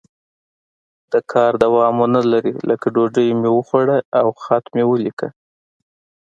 د کار دوام ونه لري لکه ډوډۍ مې وخوړه او خط مې ولیکه.